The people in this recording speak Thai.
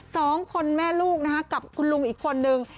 สองคนแม่ลูกนะฮะกับคุณลุงอีกคนนึง